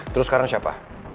terus sekarang siapa